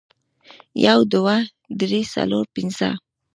یو، دوه، درې، څلور، پنځه